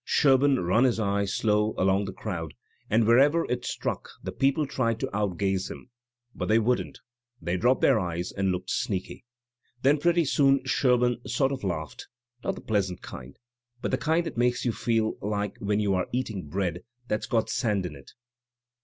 Sherbum run his eye slow along the crowd; and wherever it struck, the people tried to outgaze him, but they couldn't; they dropped their eyes and looked sneaky. Then pretty soon Sherbum sort of laughed; not the pleasant kind, but Digitized by Google MARK TWAIN 261 the kind that makes you feel Uke when you are eating bread that's got sand in it.